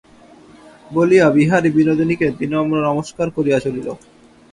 বলিয়া বিহারী বিনোদিনীকে বিনম্র নমস্কার করিয়া চলিল।